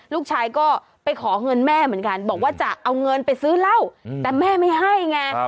ลูกชายก็ไปขอเงินแม่เหมือนกันบอกว่าจะเอาเงินไปซื้อเหล้าแต่แม่ไม่ให้ไง